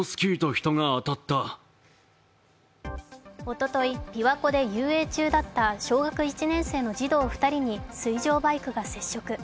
おととい、びわ湖で遊泳中だった小学１年生の児童２人に水上バイクが接触。